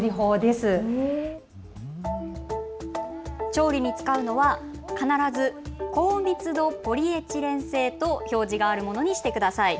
調理に使うのは必ず高密度ポリエチレン製と表示があるものにしてください。